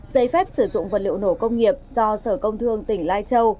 giấy phép sử dụng vật liệu nổ công nghiệp do sở công thương tỉnh lai châu